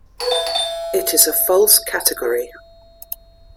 It is a false category.